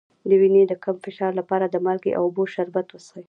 د وینې د کم فشار لپاره د مالګې او اوبو شربت وڅښئ